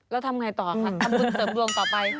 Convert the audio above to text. แล้วทำไงต่อคะทำบุญเสริมดวงต่อไป